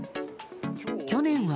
去年は。